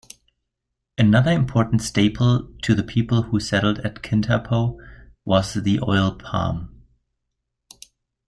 Another important staple to the people who settled at Kintampo was the oil palm.